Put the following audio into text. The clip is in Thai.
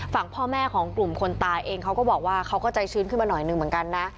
ฝั่งพ่อแม่ของกลุ่มคนตายเองเขาก็บอกว่าเขาก็ใจชื้นขึ้นมาหน่อยหนึ่งเหมือนกันนะ